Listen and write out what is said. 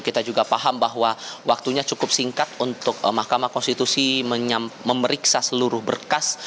kita juga paham bahwa waktunya cukup singkat untuk mahkamah konstitusi memeriksa seluruh berkas